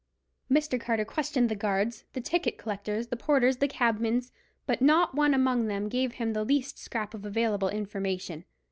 Mr. Carter questioned the guards, the ticket collectors, the porters, the cabmen; but not one among them gave him the least scrap of available information.